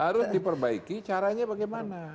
harus diperbaiki caranya bagaimana